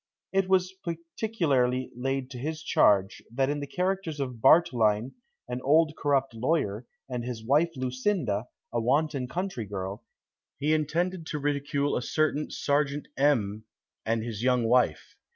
It was particularly laid to his charge, that in the characters of Bartoline, an old corrupt lawyer, and his wife Lucinda, a wanton country girl, he intended to ridicule a certain Serjeant M and his young wife.